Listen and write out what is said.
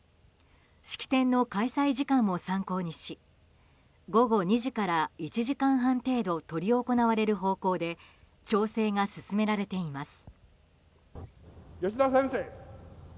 式典の開催時間も参考にし午後２時から１時間半程度執り行われる方向で調整が進められています。